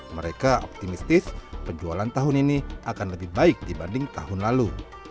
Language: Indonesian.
mereka optimistis penjualan tahun ini akan lebih baik dibanding tahun lalu